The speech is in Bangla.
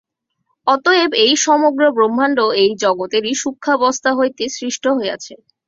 অতএব এই সমগ্র ব্রহ্মাণ্ড এই জগতেরই সূক্ষ্মাবস্থা হইতে সৃষ্ট হইয়াছে।